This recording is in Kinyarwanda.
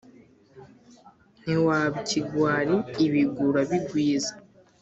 Ntiwaba ikigwari ibigwi urabigwiza